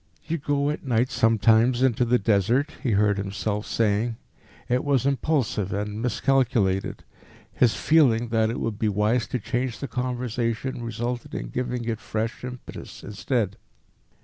"You go at night sometimes into the Desert?" he heard himself saying. It was impulsive and miscalculated. His feeling that it would be wise to change the conversation resulted in giving it fresh impetus instead.